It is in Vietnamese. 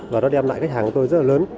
và nó đem lại khách hàng của tôi rất là lớn